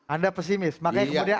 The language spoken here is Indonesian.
anda pesimis makanya kemudian